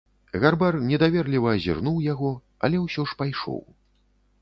Гарбар недаверліва азірнуў яго, але ўсё ж пайшоў.